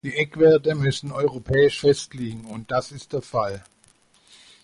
Die Eckwerte müssen europäisch festliegen, und das ist der Fall.